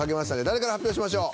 誰から発表しましょう。